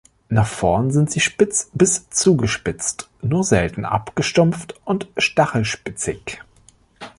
Nach vorn sind sie spitz bis zugespitzt, nur selten abgestumpft und stachelspitzig.